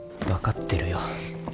分かってるよ。